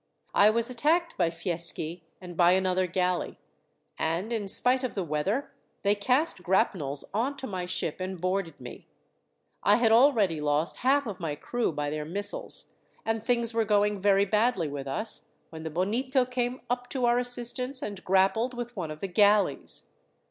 "I was attacked by Fieschi and by another galley, and, in spite of the weather, they cast grapnels on to my ship and boarded me. I had already lost half of my crew by their missiles, and things were going very badly with us, when the Bonito came up to our assistance, and grappled with one of the galleys.